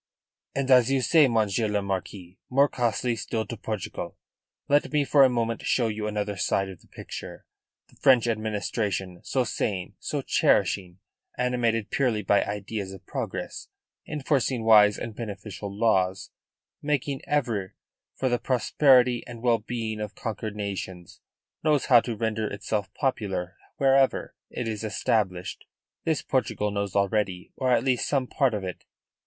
"And, as you, say, Monsieur le Marquis, more costly still to Portugal. Let me for a moment show you another side of the picture. The French administration, so sane, so cherishing, animated purely by ideas of progress, enforcing wise and beneficial laws, making ever for the prosperity and well being of conquered nations, knows how to render itself popular wherever it is established. This Portugal knows already or at least some part of it.